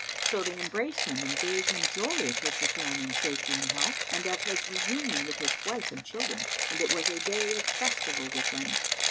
So they embraced him and gave him joy of his return in safety and health and of his reunion with his wife and children, and it was a day of festival[FN#181] with them.